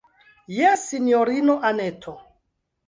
Jes, sinjorino Anneto.